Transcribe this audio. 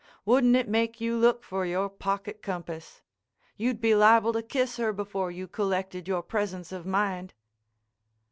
Wouldn't it make you look for your pocket compass? You'd be liable to kiss her before you collected your presence of mind."